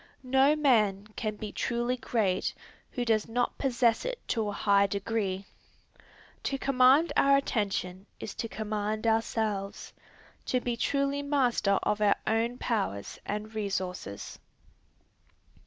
No man can be truly great who does not possess it to a high degree. To command our attention is to command ourselves, to be truly master of our own powers and resources.